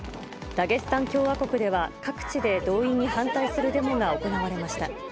ダゲスタン共和国では、各地で動員に反対するデモが行われました。